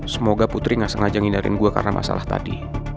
semoga putri gak sengaja nginerin gue karena masalah tadi